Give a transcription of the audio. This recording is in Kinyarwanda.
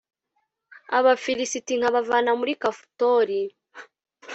abafilisiti nkabavana muri kafutori,